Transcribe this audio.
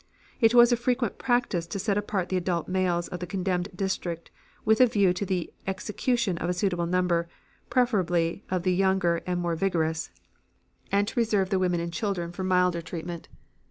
It was a frequent practice to set apart the adult males of the condemned district with a view to the execution of a suitable number preferably of the younger and more vigorous and to reserve the women and children for milder treatment.